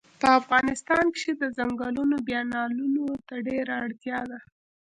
په افغانستان کښی د ځنګلونو بیا نالولو ته ډیره اړتیا ده